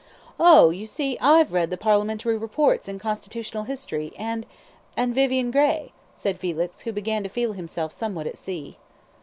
"Oh, you see, I've read the Parliamentary reports and Constitutional history, and and Vivian Grey," said Felix, who began to feel himself somewhat at sea.